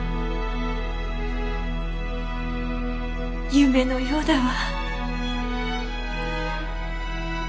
夢のようだわ。